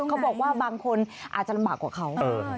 เขาบอกว่าบางคนอาจจะลำบากกว่าเขา